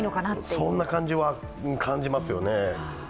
そんな感じは感じますよね。